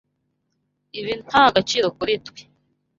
Ibi nta gaciro kuri twe.